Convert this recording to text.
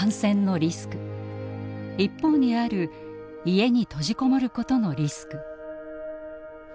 一方にある家に閉じこもることのリスク。